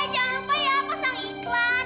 jangan lupa ya pasang iklan